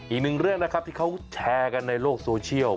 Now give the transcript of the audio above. อีกหนึ่งเรื่องนะครับที่เขาแชร์กันในโลกโซเชียล